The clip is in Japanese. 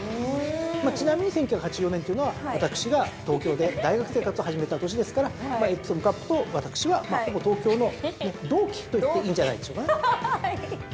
ちなみに１９８４年というのは私が東京で大学生活を始めた年ですからエプソムカップと私は東京の同期といっていいんじゃないでしょうかね。